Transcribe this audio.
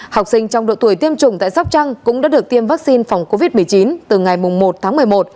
học sinh trong độ tuổi tiêm chủng tại sóc trăng cũng đã được tiêm vaccine phòng covid một mươi chín từ ngày một tháng một mươi một